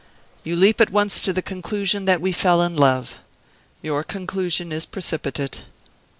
"You leap at once to the conclusion that we fell in love. Your conclusion is precipitate.